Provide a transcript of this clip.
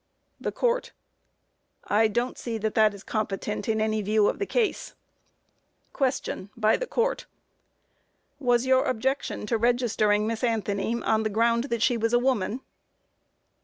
THE COURT: I don't see that that is competent in any view of the case. Q. (By the Court). Was your objection to registering Miss Anthony on the ground that she was a woman?